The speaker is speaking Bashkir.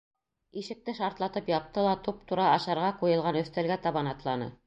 Ишекте шартлатып япты ла туп-тура ашарға ҡуйылған өҫтәлгә табан атланы.